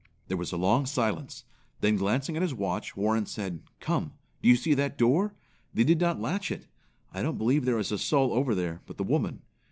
There was a long silence, then glancing at his watch, Warren said, "Come! Do you see that door? They did not latch it. I don't believe there is a soul over there but the woman.